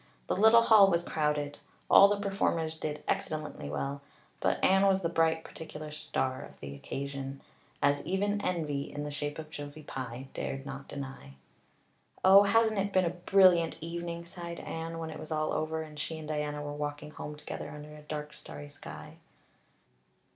The little hall was crowded; all the performers did excellently well, but Anne was the bright particular star of the occasion, as even envy, in the shape of Josie Pye, dared not deny. "Oh, hasn't it been a brilliant evening?" sighed Anne, when it was all over and she and Diana were walking home together under a dark, starry sky.